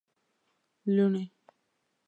لوڼی